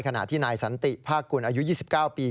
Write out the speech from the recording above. ขณะที่นายสันติภาคกุลอายุ๒๙ปี